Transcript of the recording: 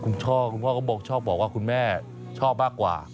คุณพ่อก็บอกว่าคุณแม่ชอบบ้างกว่า